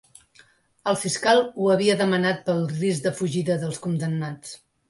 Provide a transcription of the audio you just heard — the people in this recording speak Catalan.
El fiscal ho havia demanat pel risc de fugida dels condemnats.